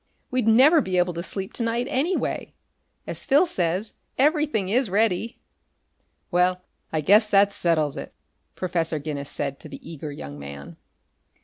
"We'd never be able to sleep to night, anyway. As Phil says, everything is ready." "Well, I guess that settles it," Professor Guinness said to the eager young man.